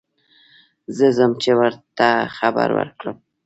زه ځم چې ور ته خبر ور کړم.